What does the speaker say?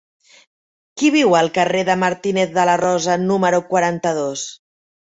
Qui viu al carrer de Martínez de la Rosa número quaranta-dos?